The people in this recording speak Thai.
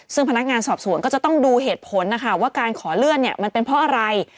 ซึ่งพนักงานสอบสวนก็จะต้องดูเหตุผลนะคะว่าการขอเลื่อนเนี่ยมันเป็นเพราะอะไร